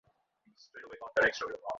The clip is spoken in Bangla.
আপনাদের আতিথ্য হইতে আমি বঞ্চিত নহি।